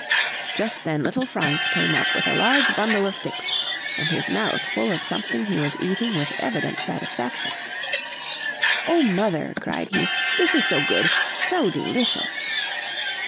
Just then little Franz came up with a large bundle of sticks, and his mouth full of something he was eating with evident satisfaction. "Oh, mother!" cried he, "this is so good! So delicious!"